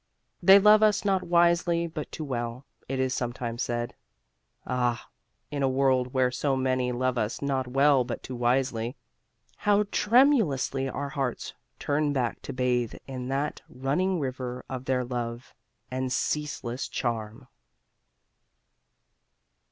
They love us not wisely but too well, it is sometimes said. Ah, in a world where so many love us not well but too wisely, how tremulously our hearts turn back to bathe in that running river of their love and ceaseless charm!